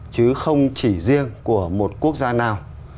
chứ không chỉ riêng của một quốc gia nào